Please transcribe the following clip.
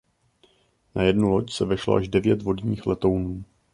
Na jednu loď se vešlo až devět vodních letounů.